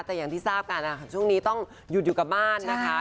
แต่อย่างที่ทราบกันนะคะช่วงนี้ต้องหยุดอยู่กับบ้านนะคะ